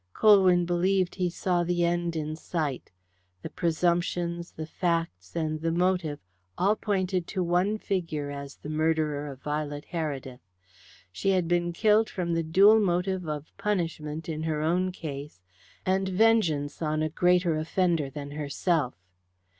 Colwyn believed he saw the end in sight. The presumptions, the facts, and the motive all pointed to one figure as the murderer of Violet Heredith. She had been killed from the dual motive of punishment in her own case and vengeance on a greater offender than herself.